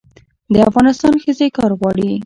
د افغانستان ښځې کار غواړي